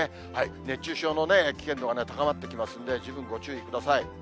熱中症の危険度が高まってきますんで、十分ご注意ください。